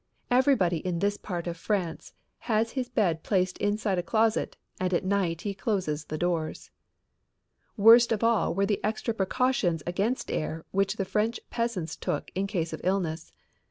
Everybody in this part of France has his bed placed inside a closet and at night he closes the doors. Worst of all were the extra precautions against air which the French peasants took in case of illness.